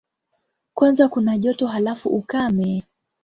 Kwanza kuna joto, halafu ukame.